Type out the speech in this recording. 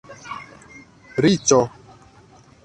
Riĉo